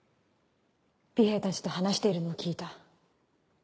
尾平たちと話しているのを聞いた。